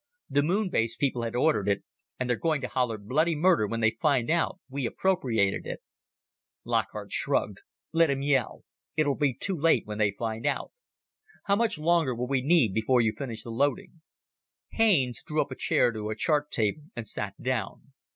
The Moon base people had ordered it, and they're going to holler bloody murder when they find out we appropriated it." Lockhart shrugged. "Let 'em yell. It'll be too late when they find out. How much longer will we need before you finish the loading?" Haines drew a chair up to the chart table and sat down.